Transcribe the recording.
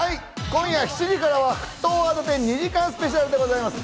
今夜７時からは『沸騰ワード１０』２時間スペシャルでございます。